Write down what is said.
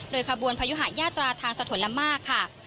ขบวนพยุหายาตราทางสะทนละมากค่ะ